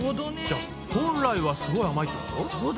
じゃ本来はすごい甘いってこと？